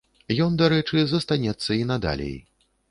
Ён, дарэчы, застанецца і надалей.